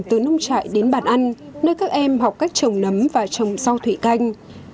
từ nông trại đến bàn ăn nơi các em học cách trồng nấm và trồng rau thủy canh